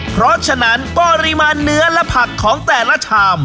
เพราะฉะนั้นปริมาณเนื้อและผักของแต่ละชาม